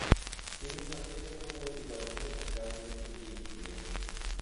Именно этому мы и должны оказывать содействие.